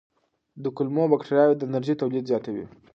د کولمو بکتریاوې د انرژۍ تولید زیاتوي.